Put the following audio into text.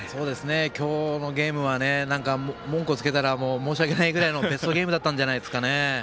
今日のゲームは文句をつけたら申し訳ないぐらいのベストゲームだったんじゃないですかね。